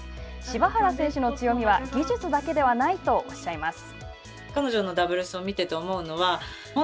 柴原選手の強みは技術だけではないとおっしゃいます。